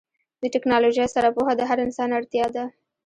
د ټیکنالوژۍ سره پوهه د هر انسان اړتیا ده.